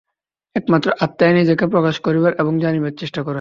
একমাত্র আত্মাই নিজেকে প্রকাশ করিবার এবং জানিবার চেষ্টা করে।